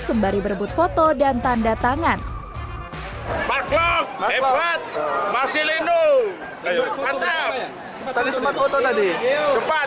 sembari berebut foto dan tanda tangan maklum hebat marcelino tadi sempat foto tadi cepat